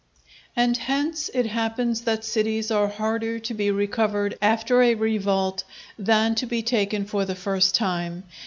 And hence it happens that cities are harder to be recovered after a revolt than to be taken for the first time.